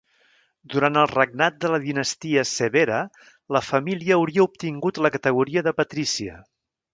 Durant el regnat de la Dinastia Severa, la família hauria obtingut la categoria de patrícia.